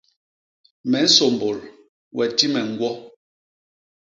Me nsômbôl, we ti me ñgwo.